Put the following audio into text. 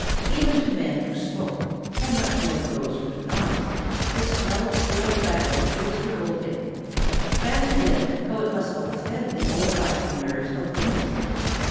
Even to men who smoke and much more to those who do not the smell of stale tobacco is revolting. Fancy, then, how it must offend the olfactory nerves of women.